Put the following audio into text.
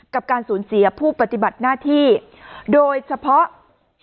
กับการสูญเสียผู้ปฏิบัติหน้าที่โดยเฉพาะ